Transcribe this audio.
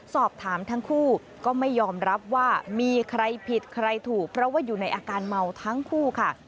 สอบถามทั้งคู่ก็ไม่ยอมรับว่ามีใครผิดใครถูกเพราะว่าอยู่ในอาการเมาทั้งคู่ค่ะ